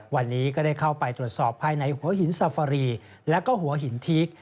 วันนี้ก็ได้เข้าไปตรวจสอบภายในหัวหินซาฟารีแล้วก็หัวหินทีก